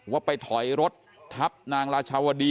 ว่าไปถอยรถทับนางราชาวดี